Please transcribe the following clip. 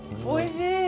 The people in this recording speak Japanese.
おいしい！